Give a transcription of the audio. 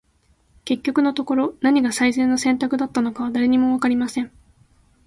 •結局のところ、何が最善の選択だったのかは、誰にも分かりません。